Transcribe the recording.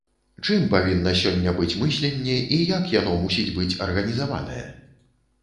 Чым павінна сёння быць мысленне і як яно мусіць быць арганізаванае?